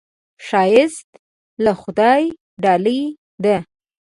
ښایست له خدایه ډالۍ ده